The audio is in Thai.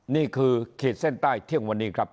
นี่คือเขตเส้นใต้เที่ยงวันนี้ครับ